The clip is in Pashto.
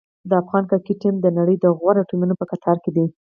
د افغان کرکټ ټیم د نړۍ د غوره ټیمونو په کتار کې دی.